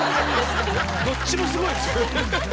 どっちもすごいですよね。